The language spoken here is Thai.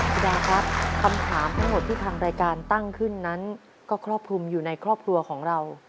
แสดงครับคำถามทั้งหมดที่ทางรายการตั้งขึ้นนั้นก็ครอบคลุมอยู่ในครอบครัวของเรา